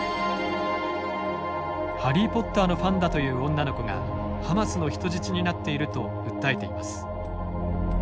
「ハリー・ポッター」のファンだという女の子がハマスの人質になっていると訴えています。